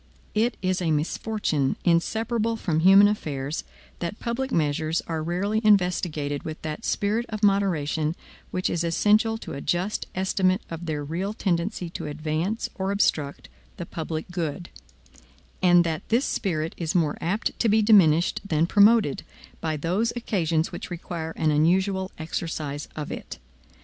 It is a misfortune, inseparable from human affairs, that public measures are rarely investigated with that spirit of moderation which is essential to a just estimate of their real tendency to advance or obstruct the public good; and that this spirit is more apt to be diminished than promoted, by those occasions which require an unusual exercise of it.